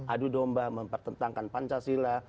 adu domba mempertentangkan pancasila